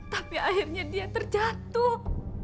tapi akhirnya dia terjatuh